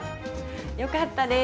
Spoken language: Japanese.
よかったです。